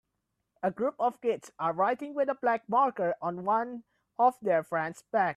A group of kids are writing with a black marker on one of their friend 's back.